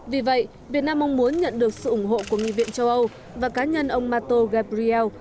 vì vậy việt nam mong muốn nhận được sự ủng hộ của nghị viện châu âu và cá nhân ông mato gabriel